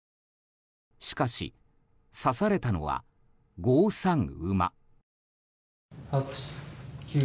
しかし、指されたのは５三馬。